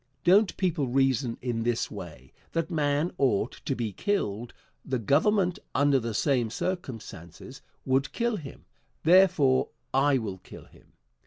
Don't people reason in this way: That man ought to be killed; the Government, under the same circumstances, would kill him, therefore I will kill him?